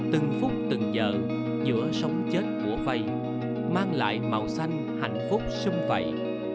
từng phút từng giờ giữa sống chết của vầy mang lại màu xanh hạnh phúc xung vầy